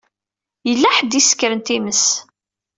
Yella ḥedd i isekren times.